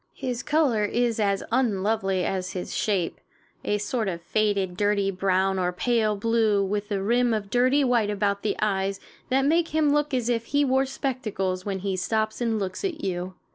His color is as unlovely as his shape a sort of faded, dirty brown or pale blue, with a rim of dirty white about the eyes that makes him look as if he wore spectacles when he stops and looks at you.